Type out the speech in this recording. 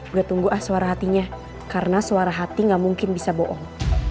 gue tunggu ah suara hatinya karena suara hati gak mungkin bisa bohong